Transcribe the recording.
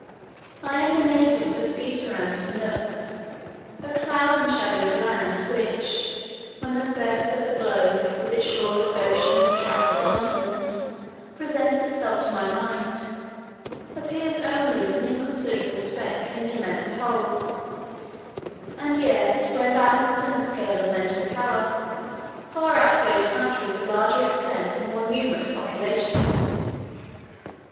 I am the native of a sea surrounded nook, a cloud enshadowed land, which, when the surface of the globe, with its shoreless ocean and trackless continents, presents itself to my mind, appears only as an inconsiderable speck in the immense whole; and yet, when balanced in the scale of mental power, far outweighed countries of larger extent and more numerous population.